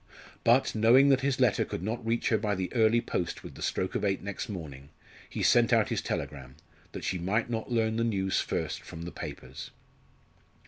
But, knowing that his letter could not reach her by the early post with the stroke of eight next morning, he sent out his telegram, that she might not learn the news first from the papers.